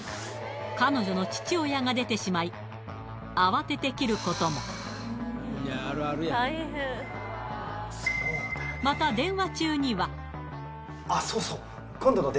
彼女の父親が出てしまい慌てて切ることもまたあっそうそう。